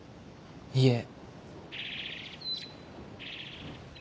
いいえ。